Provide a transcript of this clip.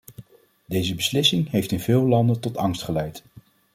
Deze beslissing heeft in veel landen tot angst geleid.